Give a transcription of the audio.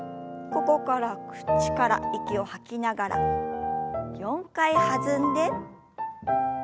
ここから口から息を吐きながら４回弾んで。